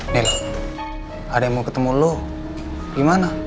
nila ada yang mau ketemu lo gimana